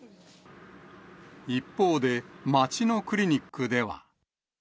一方で、町のクリニックでは。